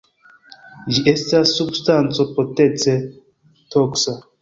Ĝi estas substanco potence toksa.